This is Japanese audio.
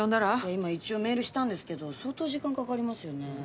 今一応メールしたんですけど相当時間かかりますよね。